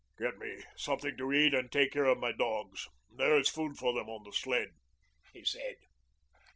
"Get me something to eat and take care of my dogs. There is food for them on the sled," he said.